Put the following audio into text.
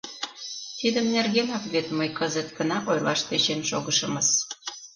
— Тидын нергенак вет мый кызыт гына ойлаш тӧчен шогышымыс...